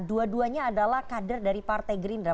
dua duanya adalah kader dari partai gerindra